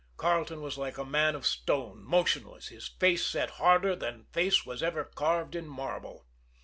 Carleton was like a man of stone, motionless, his face set harder than face was ever carved in marble.